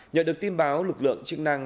nhận được tin báo lực lượng chức năng